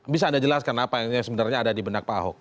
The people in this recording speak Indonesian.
bisa anda jelaskan apa yang sebenarnya ada di benak pak ahok